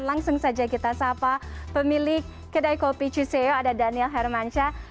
langsung saja kita sapa pemilik kedai kopi ciseo ada daniel hermansyah